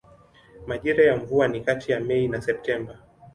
Majira ya mvua ni kati ya Mei na Septemba.